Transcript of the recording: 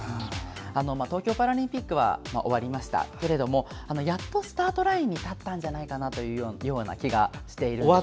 東京パラリンピックは終わりましたけれどもやっとスタートラインに立ったんじゃないかなという気がしているんです。